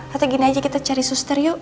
atau gini aja kita cari suster yuk